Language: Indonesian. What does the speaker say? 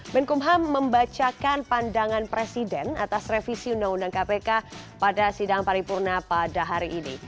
menkumham membacakan pandangan presiden atas revisi undang undang kpk pada sidang paripurna pada hari ini